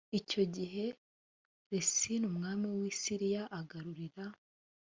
icyo gihe resini umwami w i siriya agarurira